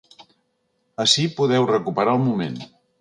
Ací podeu recuperar el moment.